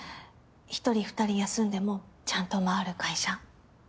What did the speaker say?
１人２人休んでもちゃんと回る会社。